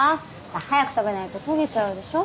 早く食べないと焦げちゃうでしょ。